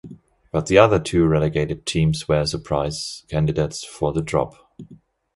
But the other two relegated teams were surprise candidates for the drop.